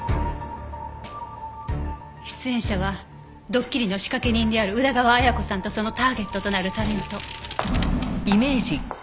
出演者はどっきりの仕掛け人である宇田川綾子さんとそのターゲットとなるタレント。